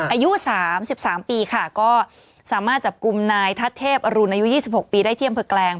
อายุสามสิบสามปีค่ะก็สามารถจับกลุ่มนายทัศน์เทพอรุณอายุยี่สิบหกปีได้เที่ยมเผือกแกรง